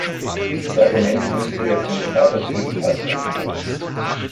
Dieses Argument müsste der Kommissar doch ebenfalls anführen.